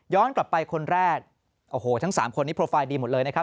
กลับไปคนแรกโอ้โหทั้งสามคนนี้โปรไฟล์ดีหมดเลยนะครับ